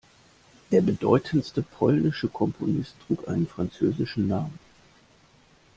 Der bedeutendste polnische Komponist trug einen französischen Namen.